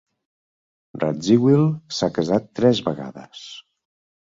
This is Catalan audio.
Radziwill s'ha casat tres vegades.